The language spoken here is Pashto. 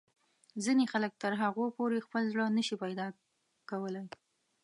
ځینې خلک تر هغو پورې خپل زړه نه شي پیدا کولای.